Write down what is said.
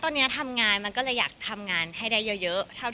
แต่ก็ไม่ได้คิดว่ารีบขนาดนั้นเอาชัวร์ดีกว่า